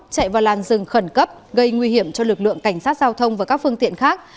chạy vào làn rừng khẩn cấp gây nguy hiểm cho lực lượng cảnh sát giao thông và các phương tiện khác